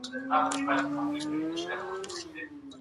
بل غوښتلې ځان وژنه تر ځان غوښتلې ځان وژني متفاوت ده.